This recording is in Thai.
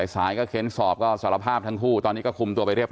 สายก็เค้นสอบก็สารภาพทั้งคู่ตอนนี้ก็คุมตัวไปเรียบ